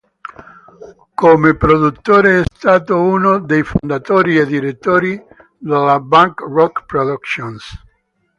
Come produttore è stato uno dei fondatori e direttori della Bunk Rock Productions.